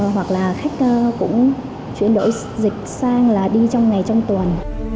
hoặc là khách cũng chuyển đổi dịch sang là đi trong ngày trong tuần